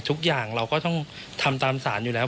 ทุกอย่างเราก็ต้องทำตามสารอยู่แล้ว